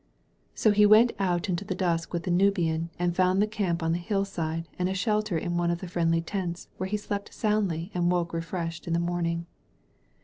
So he went out into the dusk with the Nubian and found the camp on the hillside and a shelter in one of the friendly tents, where he slept soundly and woke refreshed in the morning.